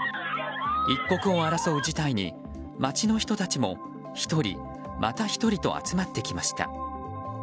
一刻を争う事態に街の人たちも１人、また１人と集まってきました。